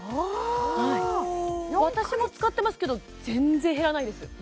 私も使ってますけど全然減らないです